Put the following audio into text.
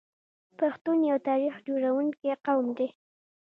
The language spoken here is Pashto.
پښتون یو تاریخ جوړونکی قوم دی.